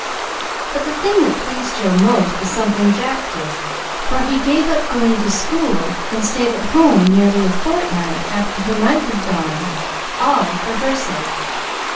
But the thing that pleased Jill most was something Jack did, for he gave up going to school, and stayed at home nearly a fortnight after he might have gone, all for her sake.